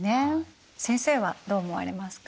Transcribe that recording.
先生はどう思われますか？